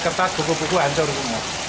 kertas buku buku hancur semua